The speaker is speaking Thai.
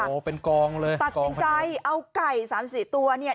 ตัดสินไก่เอาไก่๓๔ตัวเนี่ย